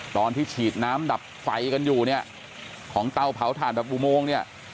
ตอนที่ฉีดน้ำดับไฟกันอยู่เนี่ยของเตาเผาถ่านแบบอุโมงเนี่ย